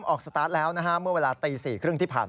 พอฟังแบบนี้แล้วสบายใจแล้ว